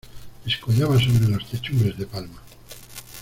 descollaba sobre las techumbres de palma.